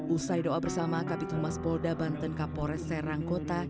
usai doa bersama kabit humas polda banten kapolres serang kota